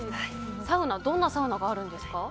どんなサウナがあるんですか？